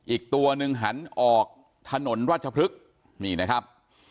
อีกตัวหนึ่งหันออกถนนราชพฤกษ์นี่นะครับ